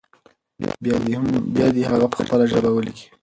بيا دې هغه په خپله ژبه ولیکي.